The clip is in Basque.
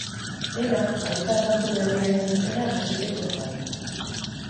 Denak, aita santu berriaren izena jakiteko zain.